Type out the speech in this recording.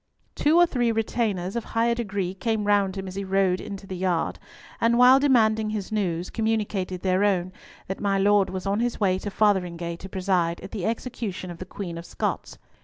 Two or three retainers of higher degree came round him as he rode into the yard, and, while demanding his news, communicated their own, that my Lord was on his way to Fotheringhay to preside at the execution of the Queen of Scots.